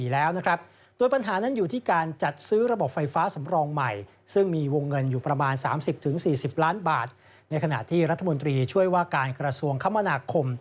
ในขณะที่รัฐมนตรีช่วยว่าการกระทรวงคมนาคม